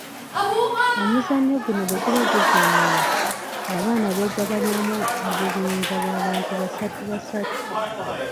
"Omuzannyo guno bwe guba guzannyibwa, abaana beegabanyaamu obubinja bw’abantu basatu basatu."